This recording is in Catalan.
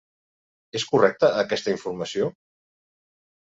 És correcte aquesta informació?